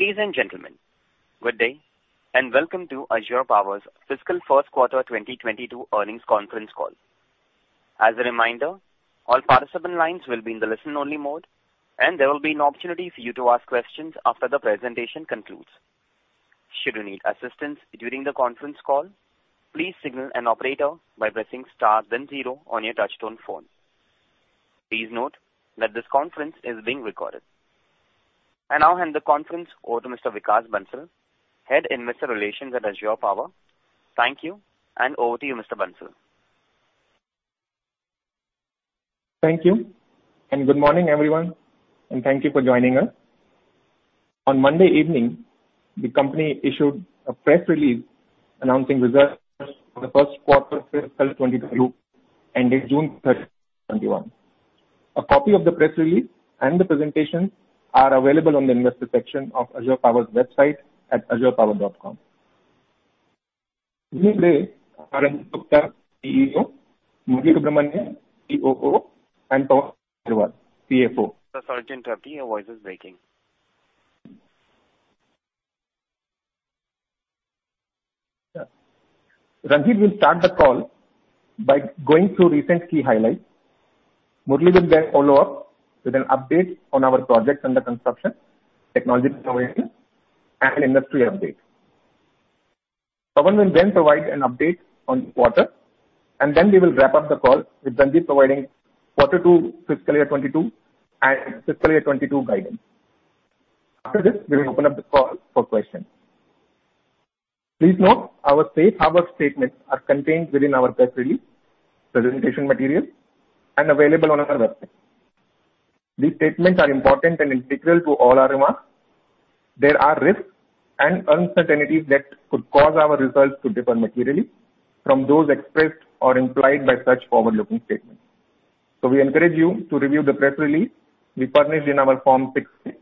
Ladies and gentlemen, good day and welcome to Azure Power's fiscal first quarter 2022 earnings conference call. As a reminder, all participant lines will be in the listen only mode, and there will be an opportunity for you to ask questions after the presentation concludes. Should you need assistance during the conference call, please signal an operator by pressing star then zero on your touchtone phone. Please note that this conference is being recorded. I now hand the conference over to Mr. Vikas Bansal, Head of Investor Relations at Azure Power. Thank you. Over to you, Mr. Bansal. Thank you, and good morning, everyone, and thank you for joining us. On Monday evening, the company issued a press release announcing results for the first quarter fiscal 2022 ending June 30, 2021. A copy of the press release and the presentation are available on the investor section of Azure Power's website at azurepower.com. With me today are Ranjit Gupta, CEO, Murali Subramanian, COO, and Pawan Agrawal, CFO. Sorry, Mr. Gupta, your voice is breaking. Ranjit Gupta will start the call by going through recent key highlights. Murali Subramanian will follow up with an update on our projects under construction, technology deployments, and industry updates. Pawan Kumar Agrawal will provide an update on the quarter, we will wrap up the call with Ranjit Gupta providing Q2 FY 2022 and FY 2022 guidance. After this, we will open up the call for questions. Please note our safe harbor statements are contained within our press release, presentation materials, and available on our website. These statements are important and integral to all our remarks. There are risks and uncertainties that could cause our results to differ materially from those expressed or implied by such forward-looking statements. We encourage you to review the press release we furnished in our Form 6-K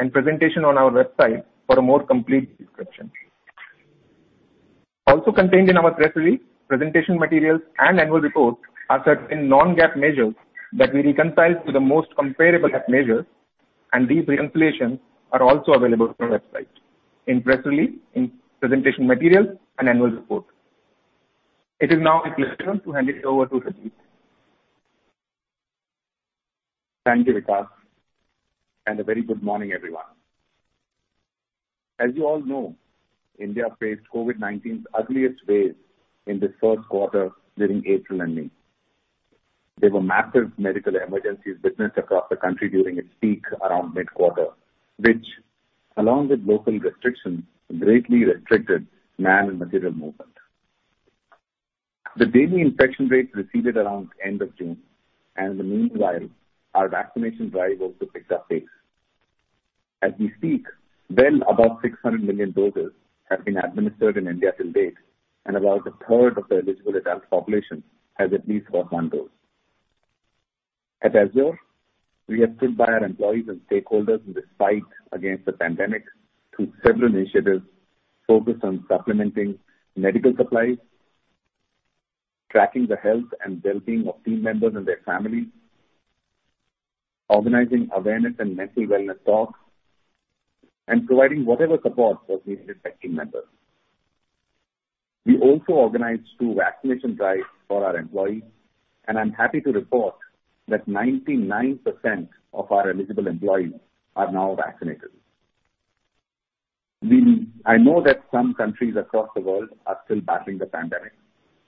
and presentation on our website for a more complete description. Also contained in our press release, presentation materials, and annual reports are certain non-GAAP measures that we reconcile to the most comparable GAAP measures, and these reconciliations are also available on our website in press release, in presentation materials, and annual report. It is now my pleasure to hand it over to Ranjit. Thank you, Vikas, and a very good morning, everyone. As you all know, India faced COVID-19's ugliest phase in the first quarter, during April and May. There were massive medical emergencies witnessed across the country during its peak around mid-quarter, which, along with local restrictions, greatly restricted man and material movement. In the meanwhile, our vaccination drive also picked up pace. As we speak, well above 600 million doses have been administered in India to date, and about a third of the eligible adult population has at least got one dose. At Azure, we have stood by our employees and stakeholders in this fight against the pandemic through several initiatives focused on supplementing medical supplies, tracking the health and well-being of team members and their families, organizing awareness and mental wellness talks, and providing whatever support was needed by team members. We also organized two vaccination drives for our employees, and I'm happy to report that 99% of our eligible employees are now vaccinated. I know that some countries across the world are still battling the pandemic,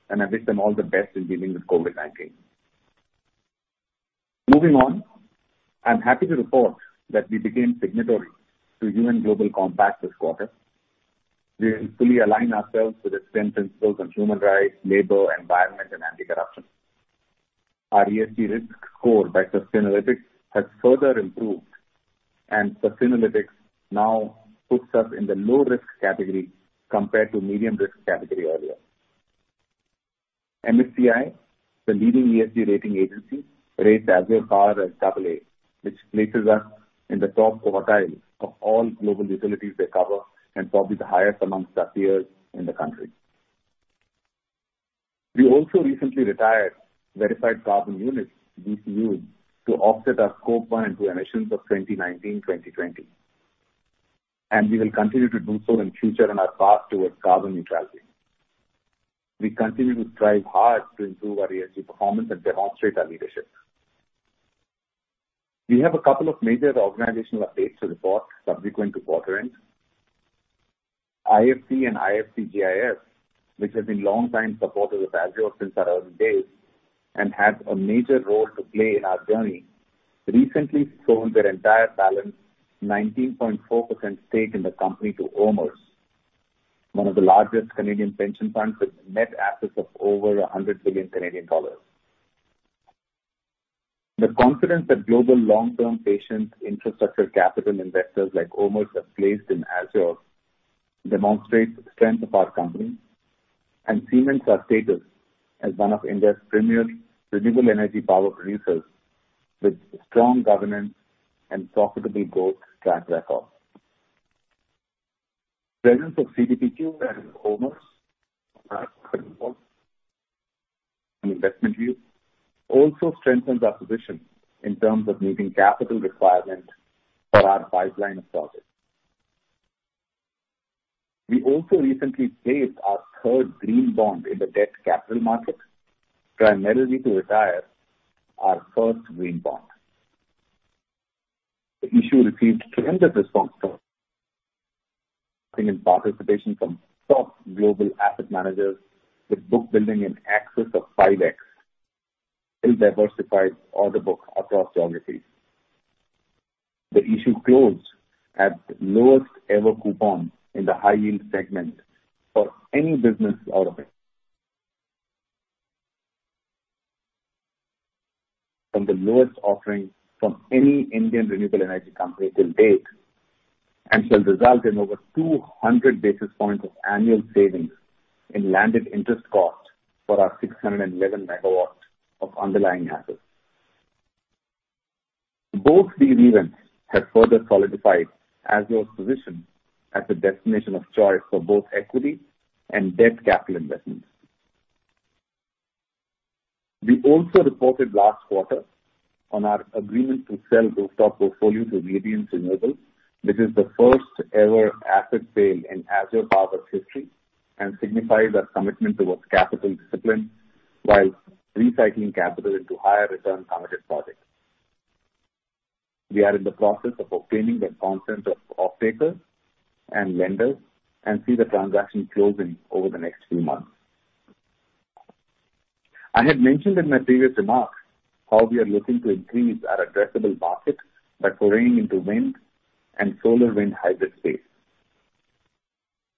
and I wish them all the best in dealing with COVID-19. Moving on, I'm happy to report that we became signatory to UN Global Compact this quarter. We will fully align ourselves with its 10 principles on human rights, labor, environment, and anti-corruption. Our ESG risk score by Sustainalytics has further improved. Sustainalytics now puts us in the low risk category compared to medium risk category earlier. MSCI, the leading ESG rating agency, rates Azure Power as AA, which places us in the top quartile of all global utilities they cover and probably the highest amongst our peers in the country. We also recently retired verified carbon units, VCUs, to offset our scope one and two emissions of 2019, 2020. We will continue to do so in future on our path towards carbon neutrality. We continue to strive hard to improve our ESG performance and demonstrate our leadership. We have a couple of major organizational updates to report subsequent to quarter end. IFC and IFC GIF, which have been long-time supporters of Azure since our early days and had a major role to play in our journey, recently sold their entire balance 19.4% stake in the company to OMERS, one of the largest Canadian pension funds with net assets of over 100 billion Canadian dollars. The confidence that global long-term patient infrastructure capital investors like OMERS have placed in Azure demonstrates the strength of our company and cements our status as one of India's premier renewable energy power producers with a strong governance and profitable growth track record. Presence of CDPQ and OMERS on our shareholder roll also strengthens our position in terms of meeting capital requirements for our pipeline of projects. We also recently placed our third green bond in the debt capital market, primarily to retire our first green bond. The issue received tremendous response from participation from top global asset managers with book building in excess of 5x, well-diversified order book across geographies. The issue closed at the lowest ever coupon in the high-yield segment for any business out of it. From the lowest offering from any Indian renewable energy company to date, and shall result in over 200 basis points of annual savings in landed interest cost for our 611 MW of underlying assets. Both these events have further solidified Azure's position as a destination of choice for both equity and debt capital investments. We also reported last quarter on our agreement to sell rooftop portfolio to Radiance Renewables. This is the first-ever asset sale in Azure Power's history and signifies our commitment towards capital discipline while recycling capital into higher return targeted projects. We are in the process of obtaining the consent of offtakers and lenders and see the transaction closing over the next few months. I had mentioned in my previous remarks how we are looking to increase our addressable market by foraying into wind and solar wind hybrid space.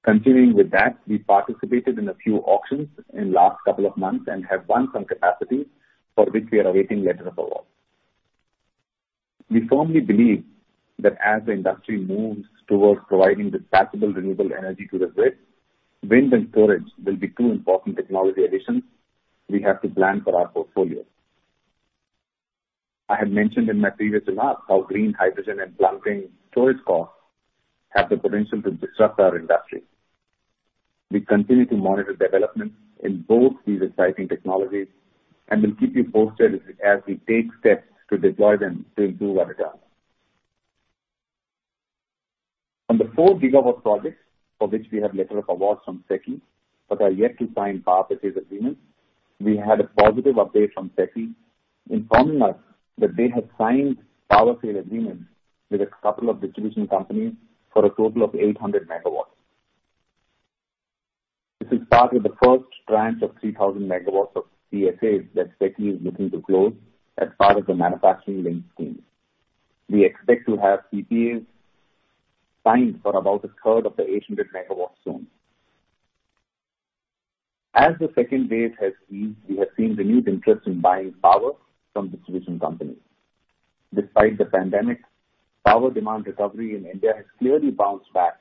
Continuing with that, we participated in a few auctions in last couple of months and have won some capacity for which we are awaiting letter of award. We firmly believe that as the industry moves towards providing dispatchable renewable energy to the grid, wind and storage will be two important technology additions we have to plan for our portfolio. I had mentioned in my previous remarks how green hydrogen and plunging green storage costs have the potential to disrupt our industry. We continue to monitor developments in both these exciting technologies and will keep you posted as we take steps to deploy them to do what it does. On the 4 GW projects for which we have letter of awards from SECI, but are yet to sign Power Purchase Agreements, we had a positive update from SECI informing us that they have signed Power Sale Agreements with a couple of distribution companies for a total of 800 MW. This is part of the first tranche of 3,000 MW of PPAs that SECI is looking to close as part of the manufacturing linked scheme. We expect to have PPAs signed for about a third of the 800 MW soon. As the second wave has eased, we have seen renewed interest in buying power from distribution companies. Despite the pandemic, power demand recovery in India has clearly bounced back,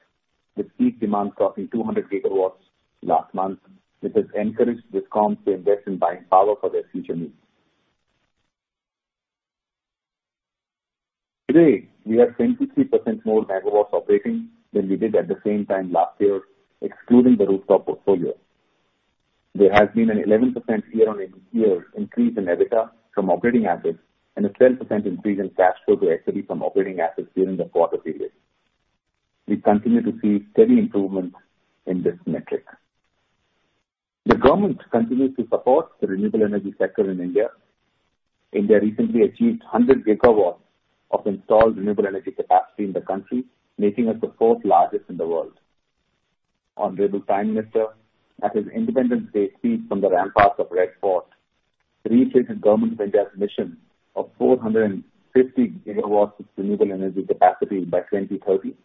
with peak demand crossing 200 gigawatts last month. This has encouraged Discoms to invest in buying power for their future needs. Today, we have 23% more megawatts operating than we did at the same time last year, excluding the rooftop portfolio. There has been an 11% year-over-year increase in EBITDA from operating assets and a 10% increase in cash flow to equity from operating assets during the quarter period. We continue to see steady improvements in this metric. The government continues to support the renewable energy sector in India. India recently achieved 100 GW of installed renewable energy capacity in the country, making us the fourth largest in the world. Honorable Prime Minister, at his Independence Day speech from the ramparts of Red Fort, reiterated Government of India's mission of 450 GW of renewable energy capacity by 2030,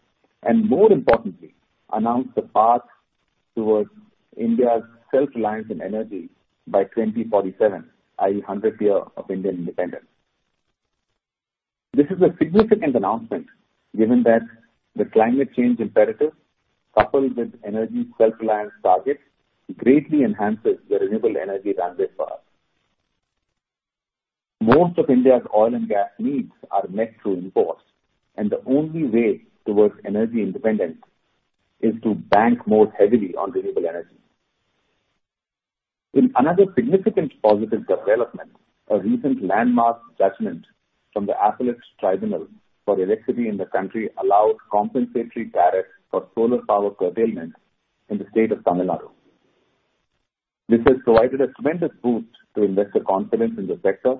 and more importantly, announced the path towards India's self-reliance in energy by 2047, i.e., 100 years of Indian independence. This is a significant announcement given that the climate change imperative, coupled with energy self-reliance targets, greatly enhances the renewable energy runway for us. Most of India's oil and gas needs are met through imports, and the only way towards energy independence is to bank more heavily on renewable energy. In another significant positive development, a recent landmark judgment from the Appellate Tribunal for Electricity in the country allowed compensatory tariffs for solar power curtailment in the state of Tamil Nadu. This has provided a tremendous boost to investor confidence in the sector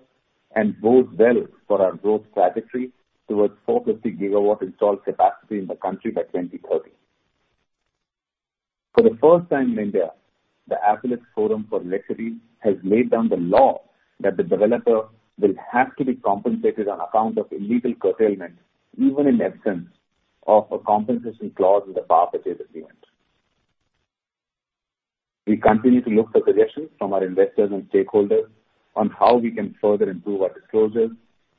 and bodes well for our growth trajectory towards 450 GW installed capacity in the country by 2030. For the first time in India, the Appellate Tribunal for Electricity has laid down the law that the developer will have to be compensated on account of illegal curtailment, even in absence of a compensation clause in the power purchase agreement. We continue to look for suggestions from our investors and stakeholders on how we can further improve our disclosures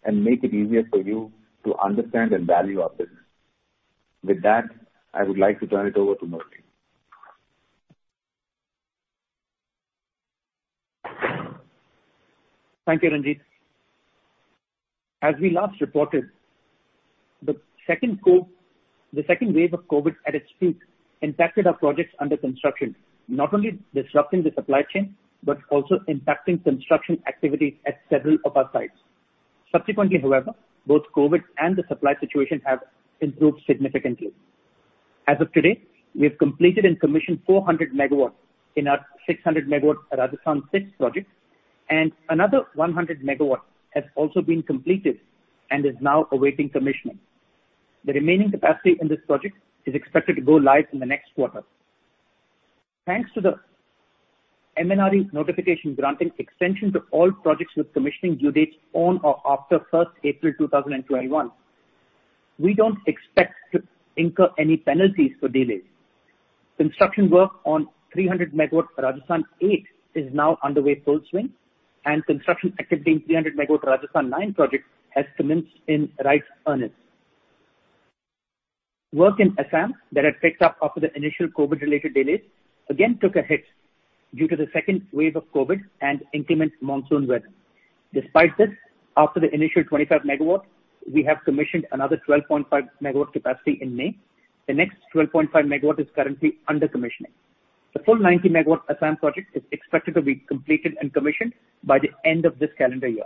and make it easier for you to understand and value our business. With that, I would like to turn it over to Murty. Thank you, Ranjit. As we last reported, the second wave of COVID at its peak impacted our projects under construction, not only disrupting the supply chain but also impacting construction activity at several of our sites. Subsequently, however, both COVID and the supply situation have improved significantly. As of today, we have completed and commissioned 400 MW in our 600 MW Rajasthan VI project, and another 100 MW has also been completed and is now awaiting commissioning. The remaining capacity in this project is expected to go live in the next quarter. Thanks to the MNRE notification granting extension to all projects with commissioning due dates on or after first April 2021, we don't expect to incur any penalties for delays. Construction work on 300 MW Rajasthan VIII is now underway full swing, and construction activity in 300 MW Rajasthan IX project has commenced in right earnest. Work in Assam that had picked up after the initial COVID-related delays, again took a hit due to the second wave of COVID and inclement monsoon weather. Despite this, after the initial 25 MW, we have commissioned another 12.5 MW capacity in May. The next 12.5 MW is currently under commissioning. The full 90 MW Assam project is expected to be completed and commissioned by the end of this calendar year.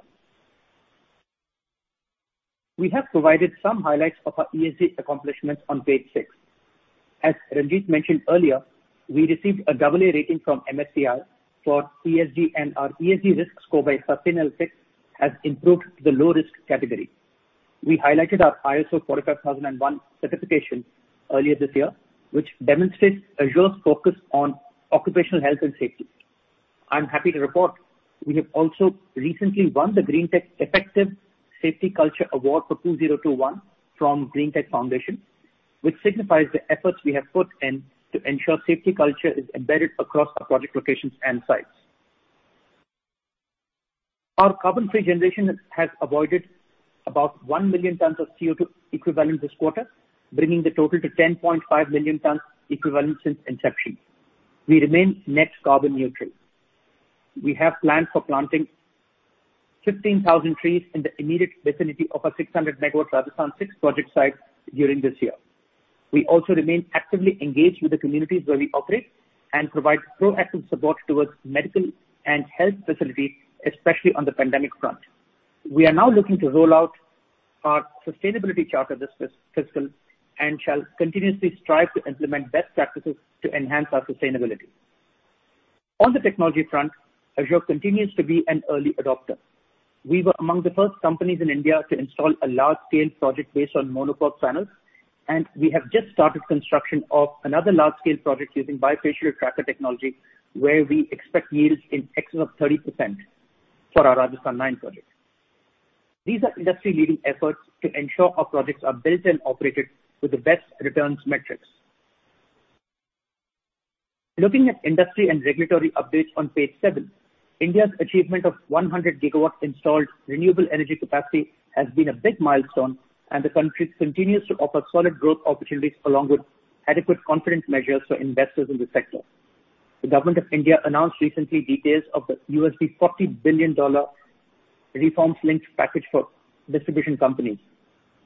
We have provided some highlights of our ESG accomplishments on page six. As Ranjit mentioned earlier, we received a double A rating from MSCI for ESG, and our ESG risk score by Sustainalytics has improved to the low risk category. We highlighted our ISO 45001 certification earlier this year, which demonstrates Azure's focus on occupational health and safety. I'm happy to report we have also recently won the Greentech Effective Safety Culture Award for 2021 from Greentech Foundation, which signifies the efforts we have put in to ensure safety culture is embedded across our project locations and sites. Our carbon-free generation has avoided about one million tons of CO2 equivalent this quarter, bringing the total to 10.5 million tons equivalent since inception. We remain net carbon neutral. We have plans for planting 15,000 trees in the immediate vicinity of our 600 MW Rajasthan VI project site during this year. We also remain actively engaged with the communities where we operate and provide proactive support towards medical and health facilities, especially on the pandemic front. We are now looking to roll out our sustainability charter this fiscal and shall continuously strive to implement best practices to enhance our sustainability. On the technology front, Azure continues to be an early adopter. We were among the first companies in India to install a large-scale project based on monocrystalline panels, and we have just started construction of another large-scale project using bifacial tracker technology, where we expect yields in excess of 30% for our Rajasthan IX project. These are industry-leading efforts to ensure our projects are built and operated with the best returns metrics. Looking at industry and regulatory updates on page seven. India's achievement of 100 GW installed renewable energy capacity has been a big milestone, and the country continues to offer solid growth opportunities along with adequate confidence measures for investors in this sector. The government of India announced recently details of the $40 billion reforms-linked package for distribution companies,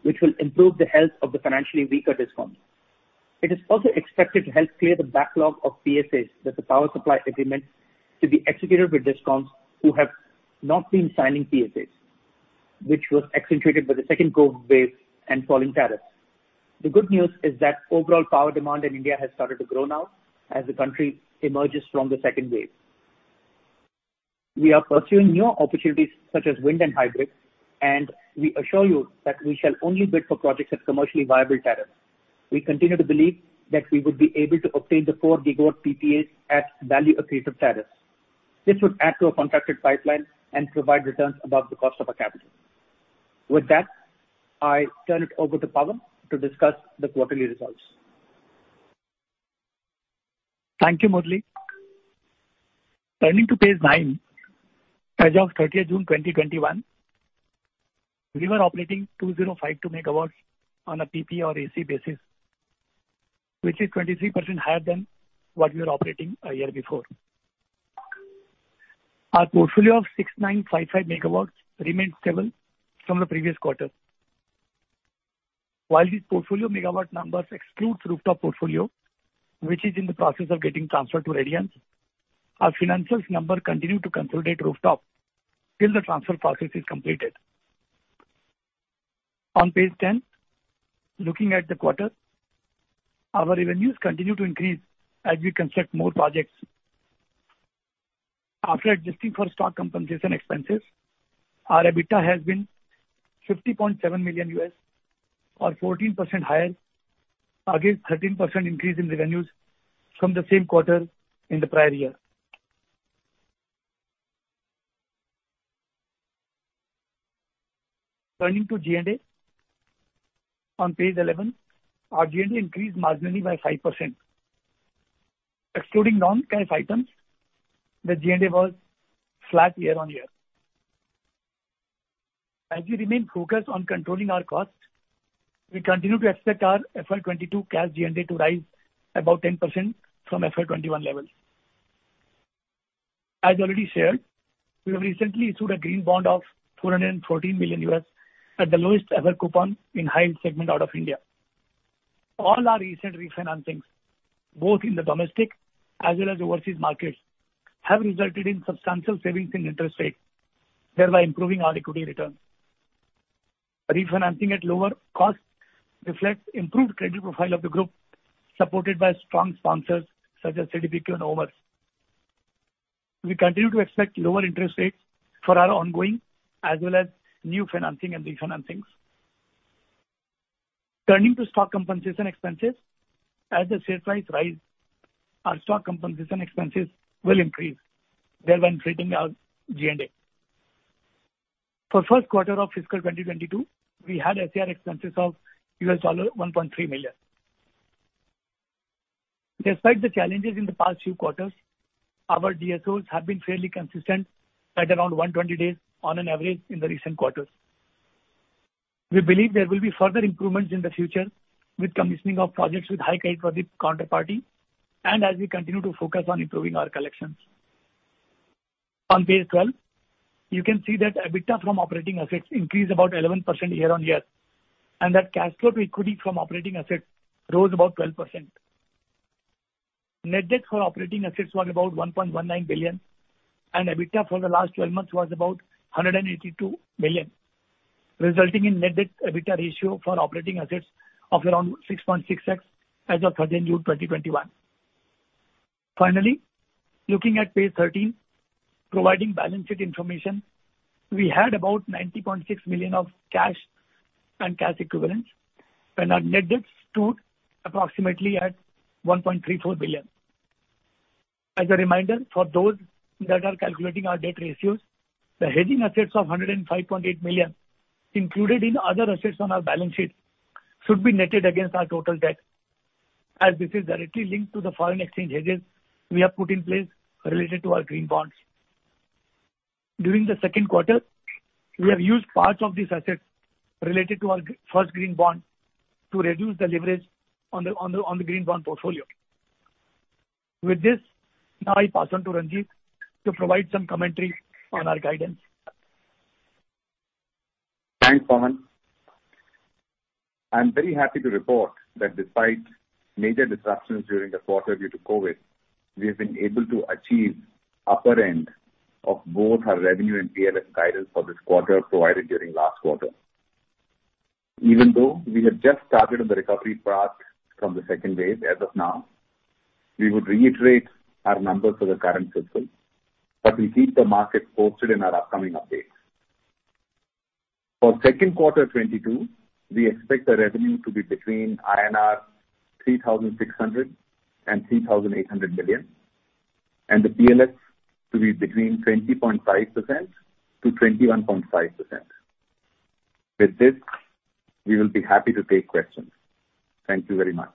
which will improve the health of the financially weaker Discoms. It is also expected to help clear the backlog of PSAs, that's the power supply agreement, to be executed with Discoms who have not been signing PSAs, which was accentuated by the second COVID wave and falling tariffs. The good news is that overall power demand in India has started to grow now as the country emerges from the second wave. We are pursuing new opportunities such as wind and hybrid, we assure you that we shall only bid for projects at commercially viable tariffs. We continue to believe that we would be able to obtain the four gigawatt PPAs at value accretive tariffs. This would add to our contracted pipeline and provide returns above the cost of our capital. With that, I turn it over to Pawan to discuss the quarterly results. Thank you, Murali. Turning to page nine. As of June 30, 2021, we were operating 2,052 MW on a PPA or AC basis, which is 23% higher than what we were operating a year before. Our portfolio of 6,955 MW remains stable from the previous quarter. While these portfolio MW numbers excludes rooftop portfolio, which is in the process of getting transferred to Radiance, our financials number continue to consolidate rooftop till the transfer process is completed. On page 10, looking at the quarter, our revenues continue to increase as we construct more projects. After adjusting for stock compensation expenses, our EBITDA has been $50.7 million or 14% higher against 13% increase in revenues from the same quarter in the prior year. Turning to G&A on page 11. Our G&A increased marginally by 5%. Excluding non-cash items, the G&A was flat year-over-year. As we remain focused on controlling our costs, we continue to expect our FY 2022 cash G&A to rise above 10% from FY 2021 levels. As already shared, we have recently issued a green bond of $414 million at the lowest ever coupon in high-yield segment out of India. All our recent refinancings, both in the domestic as well as overseas markets, have resulted in substantial savings in interest rates, thereby improving our equity returns. Refinancing at lower cost reflects improved credit profile of the group, supported by strong sponsors such as CDPQ and OMERS. We continue to expect lower interest rates for our ongoing as well as new financing and refinancings. Turning to stock compensation expenses, as the share price rise, our stock compensation expenses will increase, thereby increasing our G&A. For first quarter of fiscal 2022, we had SBC expenses of $1.3 million. Despite the challenges in the past few quarters, our DSOs have been fairly consistent at around 120 days on an average in the recent quarters. We believe there will be further improvements in the future with commissioning of projects with high credit project counterparty and as we continue to focus on improving our collections. On page 12, you can see that EBITDA from operating assets increased about 11% year-over-year, and that cash flow to equity from operating assets rose about 12%. Net debt for operating assets was about $1.19 billion, and EBITDA for the last 12 months was about $182 million, resulting in net debt/EBITDA ratio for operating assets of around 6.6x as of 30 June 2021. Finally, looking at page 13, providing balance sheet information, we had about $90.6 million of cash and cash equivalents, and our net debt stood approximately at $1.34 billion. As a reminder for those that are calculating our debt ratios, the hedging assets of $105.8 million included in other assets on our balance sheet should be netted against our total debt, as this is directly linked to the foreign exchange hedges we have put in place related to our green bonds. During the second quarter, we have used part of this asset related to our first green bond to reduce the leverage on the green bond portfolio. With this, now I pass on to Ranjit to provide some commentary on our guidance. Thanks, Pavan. I'm very happy to report that despite major disruptions during the quarter due to COVID-19, we have been able to achieve upper end of both our revenue and PLF guidance for this quarter provided during last quarter. Even though we have just started on the recovery path from the second wave as of now, we would reiterate our numbers for the current fiscal. We'll keep the market posted in our upcoming updates. For second quarter 2022, we expect the revenue to be between INR 3,600 million and 3,800 million, and the PLF to be between 20.5%-21.5%. With this, we will be happy to take questions. Thank you very much.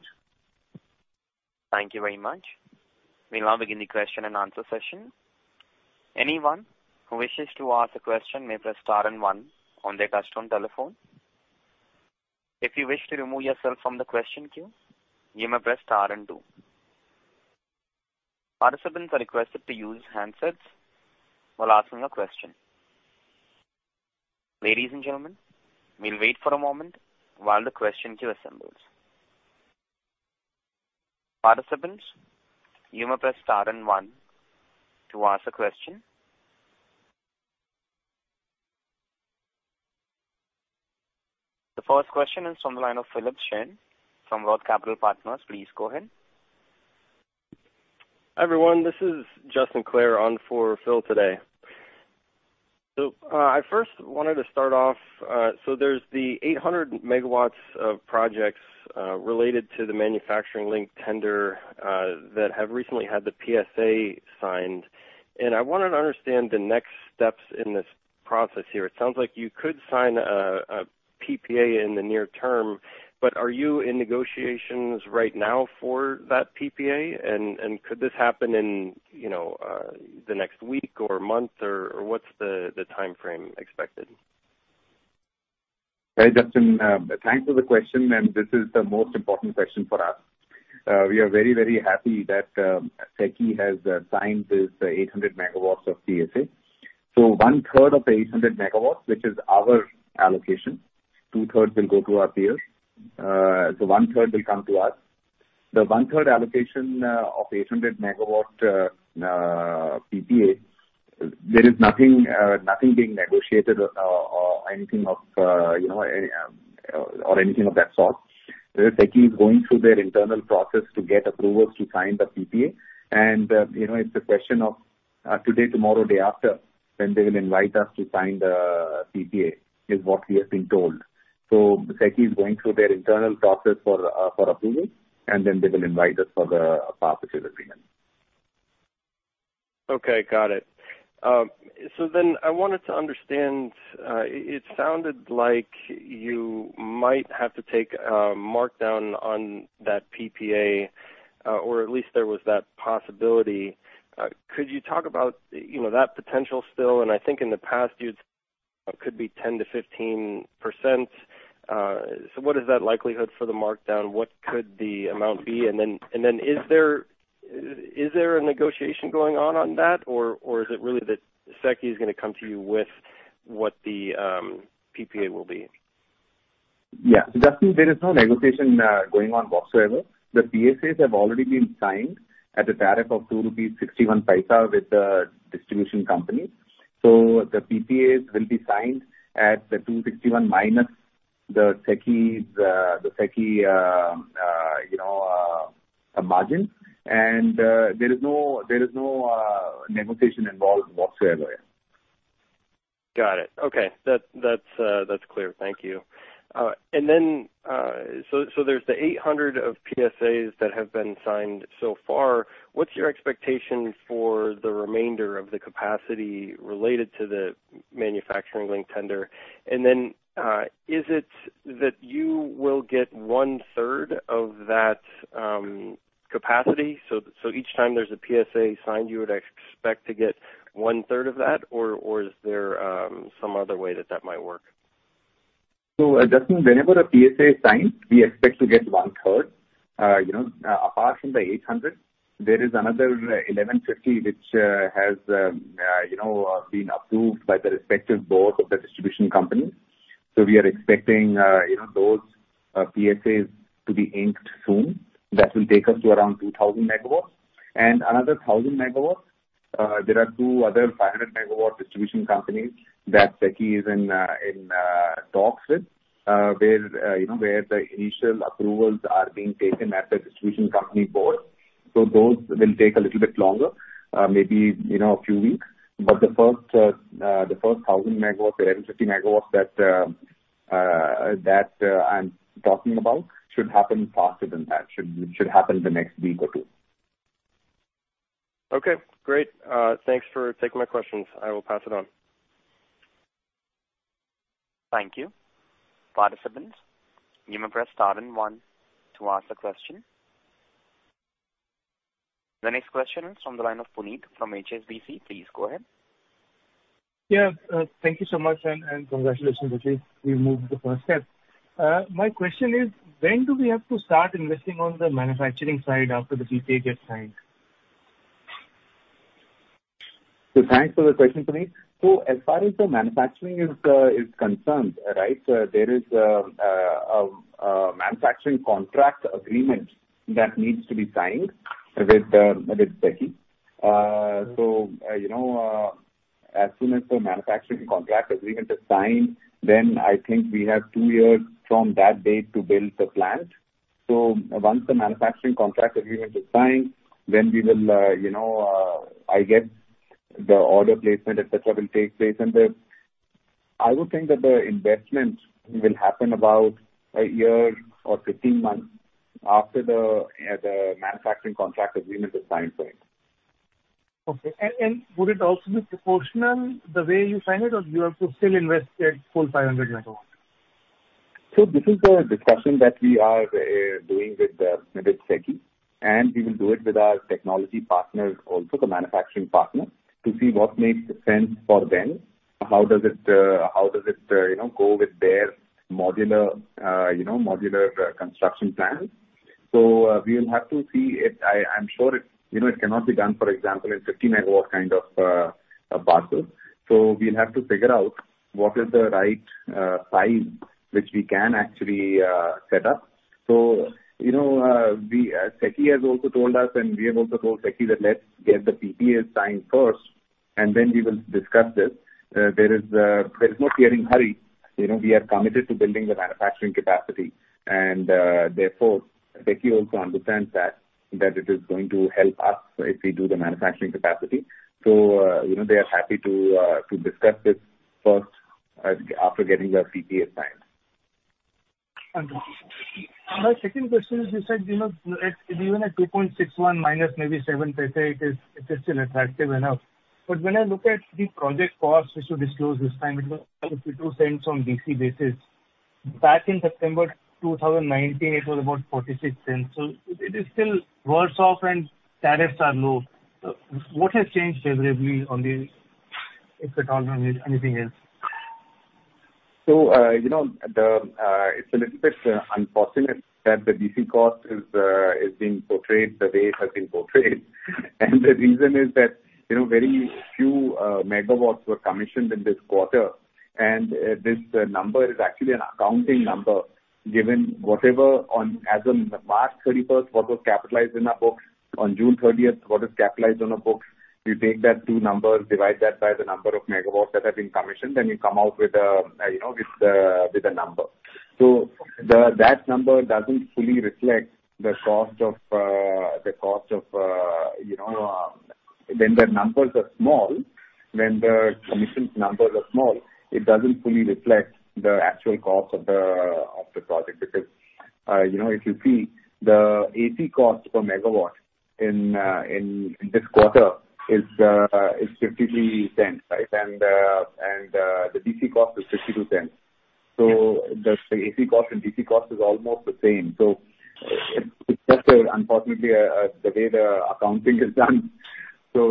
The first question is from the line of Philip Shen from Roth Capital Partners. Please go ahead. Hi, everyone. This is Justin Clare on for Phil today. I first wanted to start off, there's the 800 MW of projects, related to the manufacturing linked scheme, that have recently had the PSA signed. I wanted to understand the next steps in this process here. It sounds like you could sign a PPA in the near term, but are you in negotiations right now for that PPA? Could this happen in the next week or month or what's the timeframe expected? Hey, Justin. Thanks for the question, this is the most important question for us. We are very, very happy that SECI has signed this 800 MW of PSA. One third of the 800 MW, which is our allocation, two-thirds will go to our peers. One third will come to us. The one-third allocation of 800 MW PPA, there is nothing being negotiated or anything of that sort. SECI is going through their internal process to get approvals to sign the PPA. It's a question of today, tomorrow, day after, when they will invite us to sign the PPA is what we have been told. SECI is going through their internal process for approval, then they will invite us for the respective agreement. Okay. Got it. I wanted to understand, it sounded like you might have to take a markdown on that PPA, or at least there was that possibility. Could you talk about that potential still? I think in the past it could be 10%-15%. What is that likelihood for the markdown? What could the amount be? Is there a negotiation going on that? Is it really that SECI is going to come to you with what the PPA will be? Yeah. Justin, there is no negotiation going on whatsoever. The PSAs have already been signed at a tariff of 2.61 rupees with the distribution company. The PPAs will be signed at the 2.61 minus the SECI's margin. There is no negotiation involved whatsoever. Got it. Okay. That's clear. Thank you. There's the 800 of PSAs that have been signed so far. What's your expectation for the remainder of the capacity related to the manufacturing linked tender? Is it that you will get one-third of that capacity? Each time there's a PSA signed, you would expect to get one-third of that, or is there some other way that that might work? Justin, whenever a PSA is signed, we expect to get one-third. Apart from the 800, there is another 1,150, which has been approved by the respective board of the distribution company. We are expecting those PSAs to be inked soon. That will take us to around 2,000 MW. Another 1,000 MW, there are two other 500 MW distribution companies that SECI is in talks with, where the initial approvals are being taken at the distribution company board. Those will take a little bit longer, maybe a few weeks. The first 1,000 MW, the 1,150 MW that I'm talking about should happen faster than that. Should happen the next week or two. Okay, great. Thanks for taking my questions. I will pass it on. Thank you. Participants, you may press star and 1 to ask a question. The next question is from the line of Puneet from HSBC. Please go ahead. Yeah. Thank you so much, and congratulations that you've moved the first step. My question is, when do we have to start investing on the manufacturing side after the PPA gets signed? Thanks for the question, Puneet. As far as the manufacturing is concerned, there is a manufacturing contract agreement that needs to be signed with SECI. As soon as the manufacturing contract agreement is signed, then I think we have two years from that date to build the plant. Once the manufacturing contract agreement is signed, then I guess the order placement, et cetera, will take place. I would think that the investments will happen about one year or 15 months after the manufacturing contract agreement is signed. Okay. Would it also be proportional the way you sign it, or do you have to still invest the full 500 MW? This is a discussion that we are doing with SECI, and we will do it with our technology partners also, the manufacturing partners, to see what makes sense for them. How does it go with their modular construction plans? We will have to see. I am sure it cannot be done, for example, in 50 MW kind of parcels. We'll have to figure out what is the right size which we can actually set up. SECI has also told us, and we have also told SECI that let's get the PPAs signed first, and then we will discuss this. There is no hurry. We are committed to building the manufacturing capacity. Therefore, SECI also understands that it is going to help us if we do the manufacturing capacity. They are happy to discuss this first after getting the PPAs signed. Understood. My second question is, you said even at 2.61- maybe 0.07, it is still attractive enough. When I look at the project cost, which you disclosed this time, it was $0.52 on DC basis. Back in September 2019, it was about $0.46. It is still worse off and tariffs are low. What has changed favorably on this, if at all, anything is? It's a little bit unfortunate that the DC cost is being portrayed the way it has been portrayed. The reason is that very few megawatts were commissioned in this quarter. This number is actually an accounting number, given whatever as on March 31st, what was capitalized in our books on June 30th, what is capitalized on our books. You take that two numbers, divide that by the number of megawatts that have been commissioned, and you come out with a number. That number doesn't fully reflect when the numbers are small, when the commission numbers are small, it doesn't fully reflect the actual cost of the project. If you see the AC cost per megawatt in this quarter is $0.53. The DC cost is $0.52. The AC cost and DC cost is almost the same. It's just unfortunately the way the accounting is done. The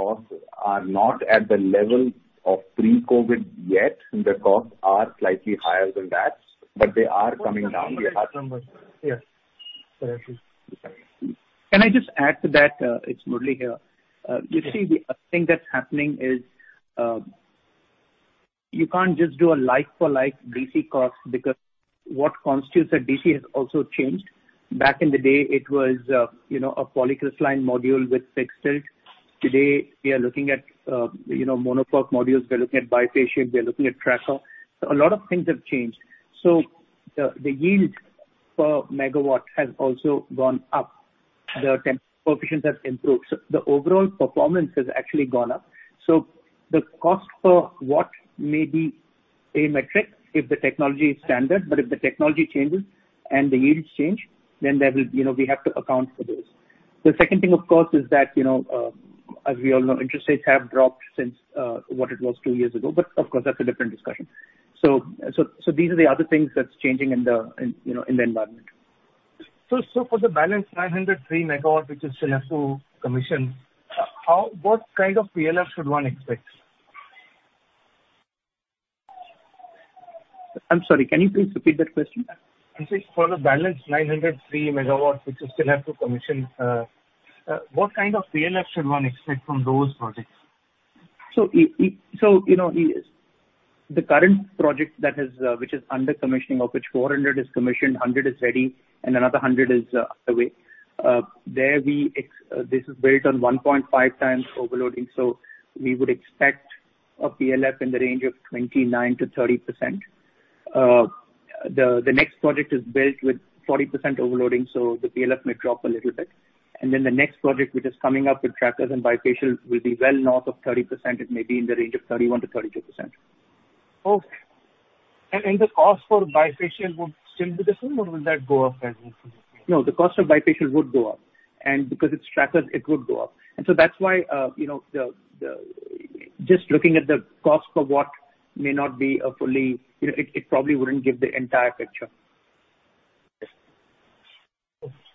costs are not at the level of pre-COVID yet. The costs are slightly higher than that, but they are coming down. Yes. Correctly. Okay. Can I just add to that? It's Murli here. The thing that's happening is, you can't just do a like-for-like DC cost because what constitutes a DC has also changed. Back in the day, it was a polycrystalline module with fixed tilt. Today, we are looking at mono PERC modules, we're looking at bifacial, we're looking at tracker. A lot of things have changed. The yield per megawatt has also gone up. The coefficients have improved. The overall performance has actually gone up. The cost per watt may be a metric if the technology is standard, if the technology changes and the yields change, we have to account for this. The second thing, of course, is that, as we all know, interest rates have dropped since what it was two years ago. Of course, that's a different discussion. These are the other things that's changing in the environment. For the balance 903 MW, which you still have to commission, what kind of PLF should one expect? I'm sorry, can you please repeat that question? I said for the balance 903 MW which you still have to commission, what kind of PLF should one expect from those projects? The current project which is under commissioning, of which 400 is commissioned, 100 is ready, and another 100 is on the way. This is built on 1.5x overloading, so we would expect a PLF in the range of 29%-30%. The next project is built with 40% overloading, so the PLF may drop a little bit. The next project, which is coming up with trackers and bifacial, will be well north of 30%. It may be in the range of 31%-32%. Okay. The cost for bifacial would still be the same or will that go up as? No, the cost of bifacial would go up. Because it's trackers, it would go up. That's why, just looking at the cost per watt. It probably wouldn't give the entire picture.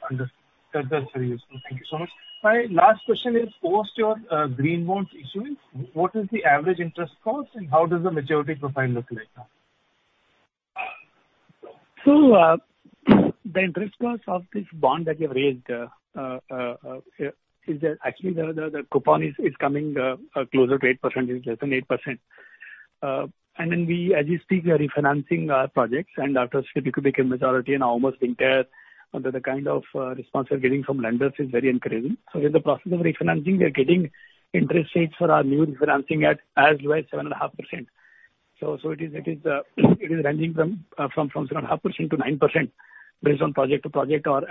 Understood. That is very useful. Thank you so much. My last question is, post your green bonds issuance, what is the average interest cost and how does the maturity profile look like now? The interest cost of this bond that we have raised, actually the coupon is coming closer to 8%, is less than 8%. As we speak, we are refinancing our projects and after CDPQ became majority and almost being there, the kind of response we are getting from lenders is very encouraging. In the process of refinancing, we are getting interest rates for our new refinancing at as low as 7.5%. It is ranging from 7.5%-9% based on project to project or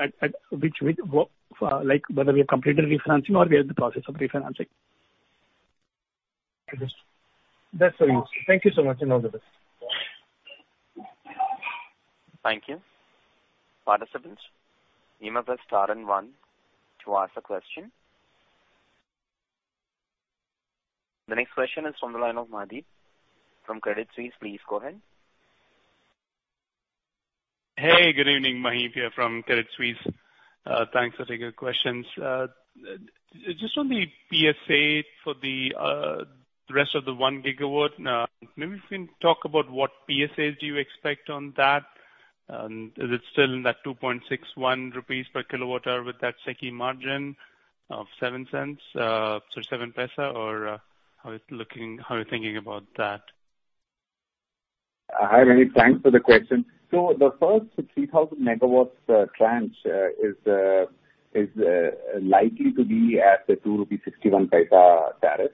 like whether we have completed refinancing or we are in the process of refinancing. Understood. That's very useful. Thank you so much, and all the best. Thank you. The next question is from the line of Mihir Kotecha from Credit Suisse. Please go ahead. Hey, good evening. Mihir Kotecha here from Credit Suisse. Thanks for taking the questions. Just on the PSA for the rest of the 1 GW, maybe if you can talk about what PSAs do you expect on that, and is it still in that 2.61 rupees per kWh with that SECI margin of 0.07? Or how are you thinking about that? Hi, Mihir. Thanks for the question. The first 3,000 megawatts tranche is likely to be at the 2.61 rupees tariff.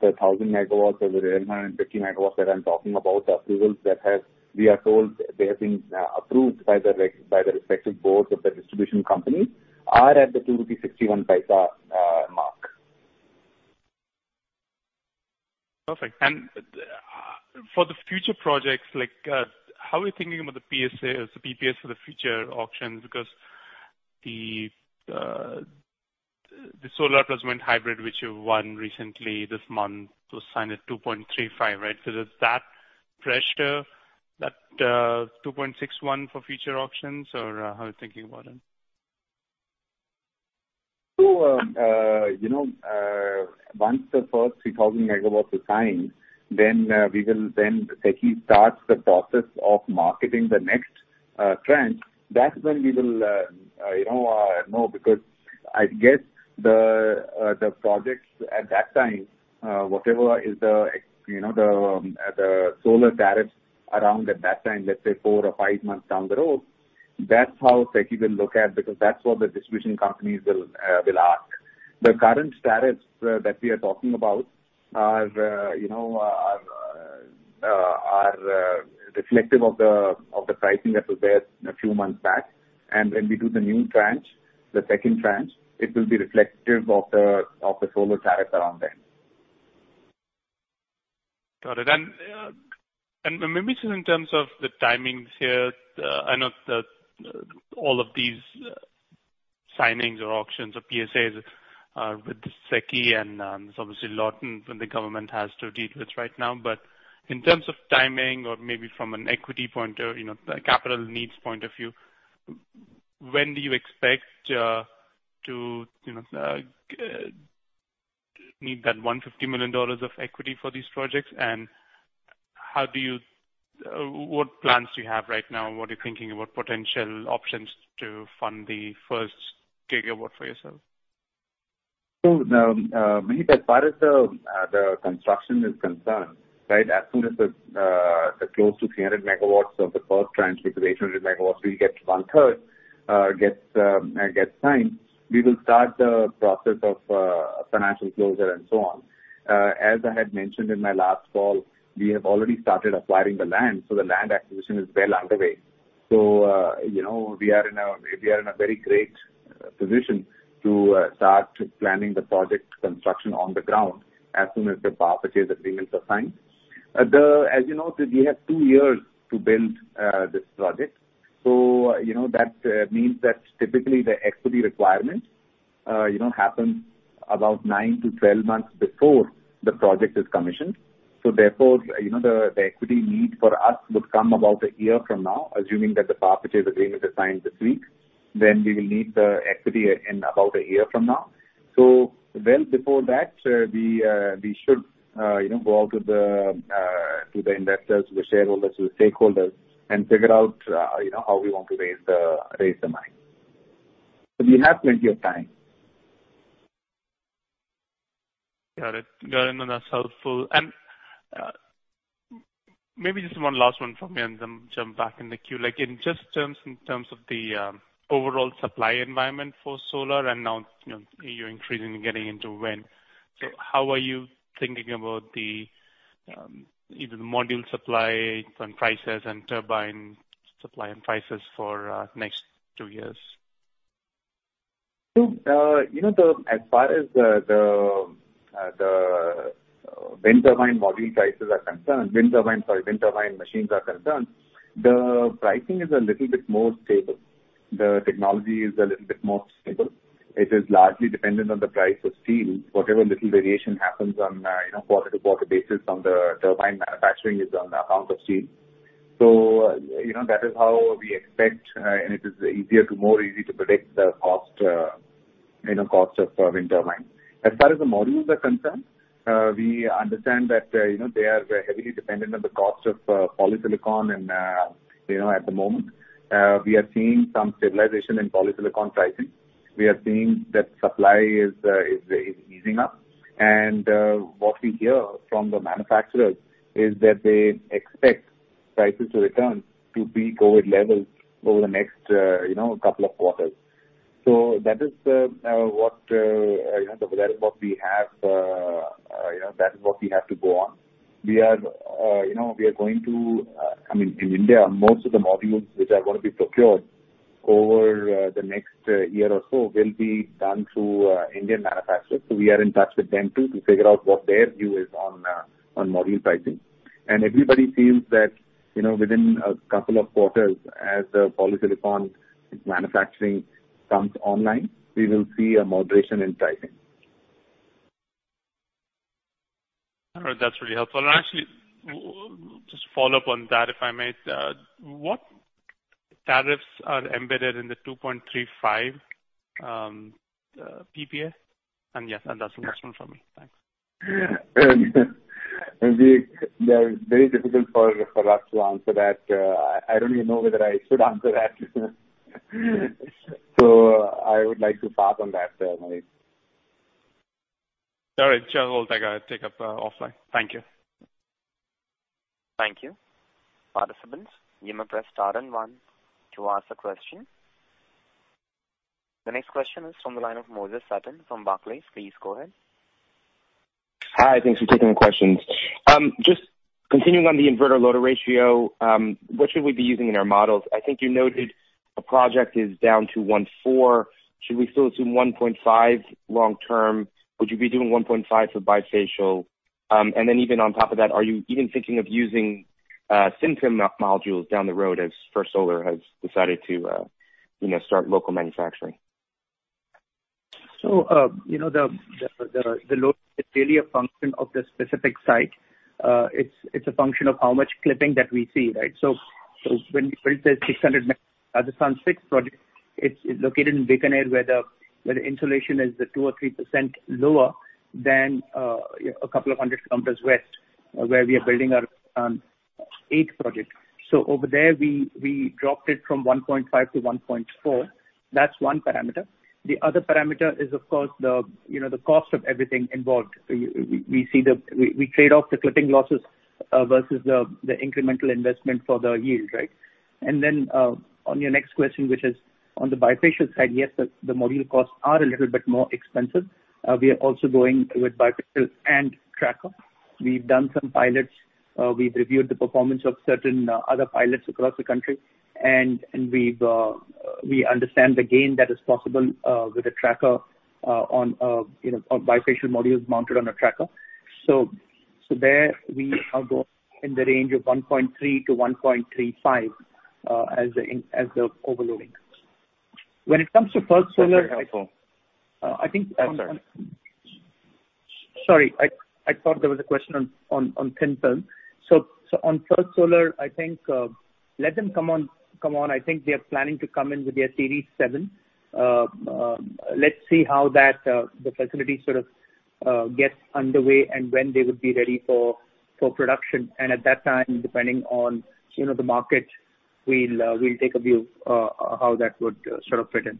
The 1,000 MW or the 850 MW that I'm talking about, the approvals, we are told they have been approved by the respective boards of the distribution companies, are at the 2.61 rupees mark. Perfect. For the future projects, how are you thinking about the PSAs, the PPs for the future auctions? The solar plus wind hybrid, which you won recently this month, was signed at 2.35, right? Is that pressure, that 2.61 for future auctions, or how are you thinking about it? Once the first 3,000 MW is signed, we will then SECI starts the process of marketing the next tranche. That's when we will know because I guess the projects at that time, whatever is the solar tariff around at that time, let's say four or five months down the road, that's how SECI will look at because that's what the distribution companies will ask. The current tariffs that we are talking about are reflective of the pricing that was there a few months back. When we do the new tranche, the second tranche, it will be reflective of the solar tariff around then. Got it. Maybe just in terms of the timings here, I know that all of these signings or auctions or PSAs are with SECI and there's obviously a lot the government has to deal with right now. In terms of timing or maybe from an equity point or capital needs point of view, when do you expect to need that INR 150 million of equity for these projects? What plans do you have right now? What are you thinking about potential options to fund the first gigawatt for yourself? Mihir, as far as the construction is concerned, as soon as the close to 300 MW of the first tranche, which is 800 MW, we get one-third gets signed, we will start the process of financial closure and so on. As I had mentioned in my last call, we have already started acquiring the land, so the land acquisition is well underway. We are in a very great position to start planning the project construction on the ground as soon as the purchase agreements are signed. As you know, we have two years to build this project. That means that typically the equity requirements happen about nine-12 months before the project is commissioned. Therefore, the equity need for us would come about a year from now, assuming that the purchase agreement is signed this week, we will need the equity in about a year from now. Well before that, we should go out to the investors, to the shareholders, to the stakeholders and figure out how we want to raise the money. We have plenty of time. Got it. Maybe just one last one from me and then jump back in the queue. Just in terms of the overall supply environment for solar and now you're increasing and getting into wind. How are you thinking about either the module supply and prices and turbine supply and prices for next two years? As far as the wind turbine module prices are concerned, wind turbine machines are concerned, the pricing is a little bit more stable. The technology is a little bit more stable. It is largely dependent on the price of steel. Whatever little variation happens on quarter-to-quarter basis on the turbine manufacturing is on account of steel. That is how we expect, and it is more easy to predict the cost of wind turbine. As far as the modules are concerned, we understand that they are heavily dependent on the cost of polysilicon at the moment. We are seeing some stabilization in polysilicon pricing. We are seeing that supply is easing up. What we hear from the manufacturers is that they expect prices to return to pre-COVID levels over the next couple of quarters. That is what we have to go on. In India, most of the modules which are going to be procured over the next year or so will be done through Indian manufacturers. We are in touch with them too, to figure out what their view is on module pricing. Everybody feels that within a couple of quarters as the polysilicon manufacturing comes online, we will see a moderation in pricing. All right. That's really helpful. Actually, just follow up on that, if I may. What tariffs are embedded in the 2.35 PPAs? Yes, and that's the last one from me. Thanks. Mihir, that is very difficult for us to answer that. I don't even know whether I should answer that. I would like to pass on that, Mihir. All right. Sure. We'll take up offline. Thank you. Thank you. Participants, you may press star and one to ask the question. The next question is from the line of Moses Sutton from Barclays. Please go ahead. Hi. Thanks for taking the questions. Just continuing on the inverter loading ratio, what should we be using in our models? I think you noted a project is down to 1.4. Should we still assume 1.5 long term? Would you be doing 1.5 for bifacial? And then even on top of that, are you even thinking of using thin-film modules down the road as First Solar has decided to start local manufacturing? The load is really a function of the specific site. It's a function of how much clipping that we see, right? When we built the 600 MW, the Sun 6 project, it's located in Bikaner where the insolation is 2% or 3% lower than a couple of 100 kilometers west where we are building our eighth project. Over there, we dropped it from 1.5-1.4. That's one parameter. The other parameter is, of course, the cost of everything involved. We trade off the clipping losses versus the incremental investment for the yield, right? Then on your next question, which is on the bifacial side, yes, the module costs are a little bit more expensive. We are also going with bifacial and tracker. We've done some pilots. We've reviewed the performance of certain other pilots across the country, and we understand the gain that is possible with a tracker on bifacial modules mounted on a tracker. There we are going in the range of 1.3-1.35 as the overloading. When it comes to First Solar- That's very helpful. I think. Sorry. Sorry, I thought there was a question on thin film. On First Solar, I think, let them come on. I think they are planning to come in with their Series 7. Let's see how the facility sort of gets underway and when they would be ready for production. At that time, depending on the market, we'll take a view of how that would sort of fit in.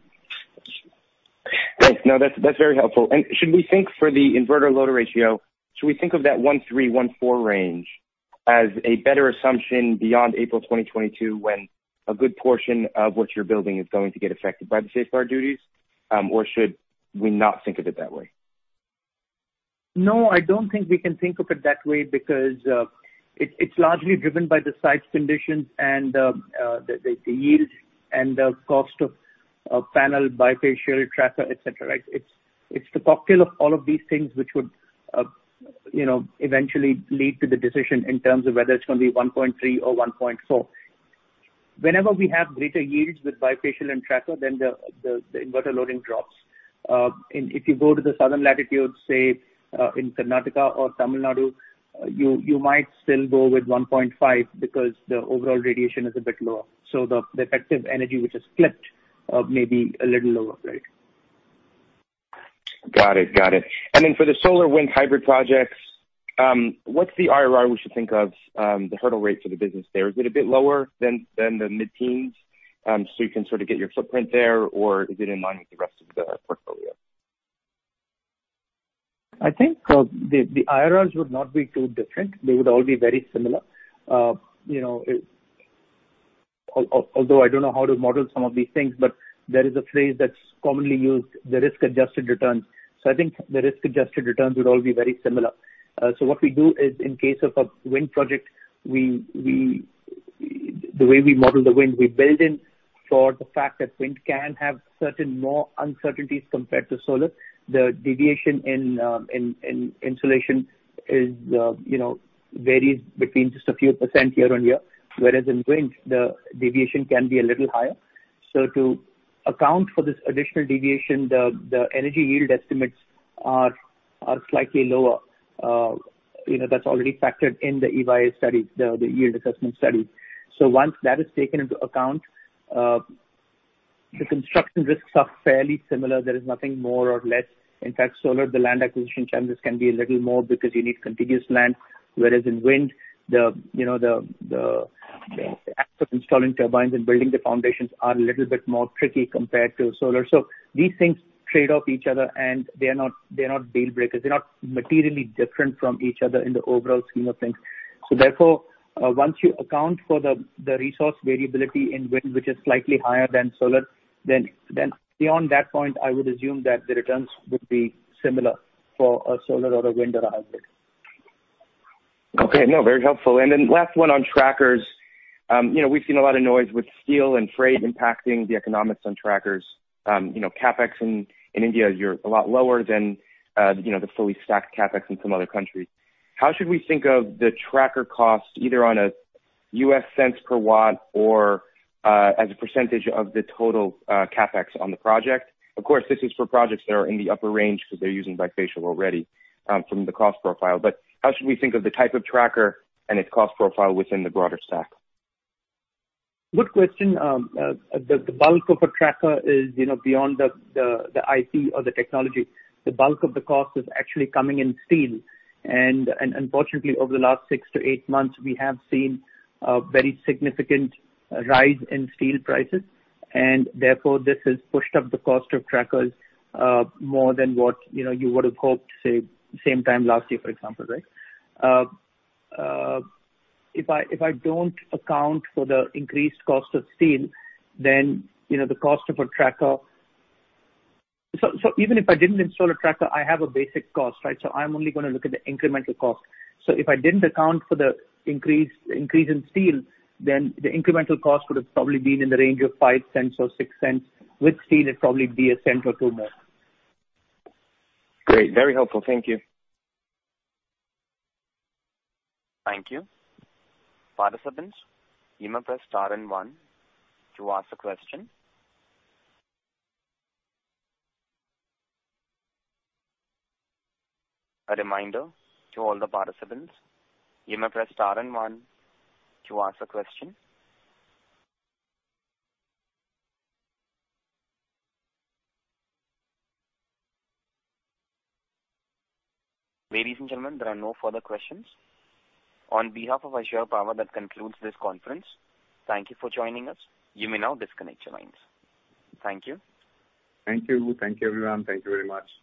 Great. No, that's very helpful. Should we think for the inverter loading ratio, should we think of that 1.3, 1.4 range as a better assumption beyond April 2022, when a good portion of what you're building is going to get affected by the safeguard duties? Or should we not think of it that way? No, I don't think we can think of it that way because, it's largely driven by the site's conditions and, the yield and the cost of panel, bifacial, tracker, et cetera. Right? It's the cocktail of all of these things which would eventually lead to the decision in terms of whether it's going to be 1.3 or 1.4. Whenever we have greater yields with bifacial and tracker, then the inverter loading drops. If you go to the southern latitude, say, in Karnataka or Tamil Nadu, you might still go with 1.5 because the overall radiation is a bit lower. The effective energy which is clipped, may be a little lower. Right. Got it. For the solar wind hybrid projects, what's the IRR we should think of, the hurdle rate for the business there? Is it a bit lower than the mid-teens, so you can sort of get your footprint there, or is it in line with the rest of the portfolio? I think the IRRs would not be too different. They would all be very similar. I don't know how to model some of these things, but there is a phrase that's commonly used, the risk-adjusted returns. I think the risk-adjusted returns would all be very similar. What we do is in case of a wind project, the way we model the wind, we build in for the fact that wind can have certain more uncertainties compared to solar. The deviation in insolation varies between just a few % year-on-year. Whereas in wind, the deviation can be a little higher. To account for this additional deviation, the energy yield estimates are slightly lower. That's already factored in the EYA study, the yield assessment study. Once that is taken into account, the construction risks are fairly similar. There is nothing more or less. In fact, solar, the land acquisition challenges can be a little more because you need contiguous land. Whereas in wind, the act of installing turbines and building the foundations are a little bit more tricky compared to solar. These things trade off each other, and they're not deal breakers. They're not materially different from each other in the overall scheme of things. Therefore, once you account for the resource variability in wind, which is slightly higher than solar, then beyond that point, I would assume that the returns would be similar for a solar or a wind or a hybrid. Okay. No, very helpful. Last one on trackers. We've seen a lot of noise with steel and freight impacting the economics on trackers. CapEx in India, you're a lot lower than the fully stacked CapEx in some other countries. How should we think of the tracker cost, either on a U.S. cents per watt or, as a percentage of the total CapEx on the project? Of course, this is for projects that are in the upper range because they're using bifacial already, from the cost profile. How should we think of the type of tracker and its cost profile within the broader stack? Good question. The bulk of a tracker is beyond the IP or the technology. The bulk of the cost is actually coming in steel. Unfortunately, over the last six to eight months, we have seen a very significant rise in steel prices, and therefore this has pushed up the cost of trackers, more than what you would have hoped, say, same time last year, for example, right? Even if I didn't install a tracker, I have a basic cost, right? I'm only going to look at the incremental cost. If I didn't account for the increase in steel, then the incremental cost would have probably been in the range of 0.05 or 0.06. With steel, it'd probably be INR 0.01 or 0.02 more. Great. Very helpful. Thank you. Ladies and gentlemen, there are no further questions. On behalf of Azure Power, that concludes this conference. Thank you for joining us. You may now disconnect your lines. Thank you. Thank you. Thank you, everyone. Thank you very much.